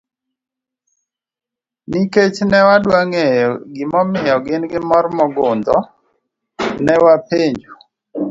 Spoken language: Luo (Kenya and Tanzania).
Nikech ne wadwa ng'eyo gima omiyo gin gi mor ma ogundho, ne wapenjo.